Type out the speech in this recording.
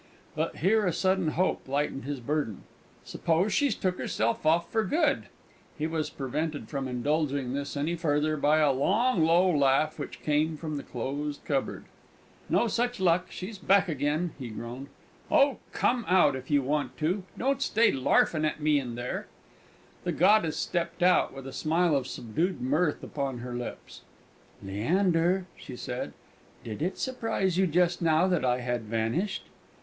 (But here a sudden hope lightened his burden.) "Suppose she's took herself off for good?" He was prevented from indulging this any further by a long, low laugh, which came from the closed cupboard. "No such luck she's back again!" he groaned. "Oh, come out if you want to. Don't stay larfin' at me in there!" The goddess stepped out, with a smile of subdued mirth upon her lips. "Leander," she said, "did it surprise you just now that I had vanished?"